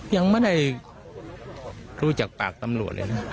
ยังไม่ได้รู้จากปากตำรวจเลยนะ